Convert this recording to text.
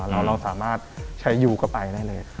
แล้วเราสามารถใช้อยู่กลับไปได้เลย